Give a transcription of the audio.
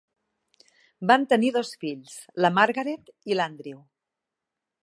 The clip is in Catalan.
Van tenir dos fills, la Margaret i l'Andrew.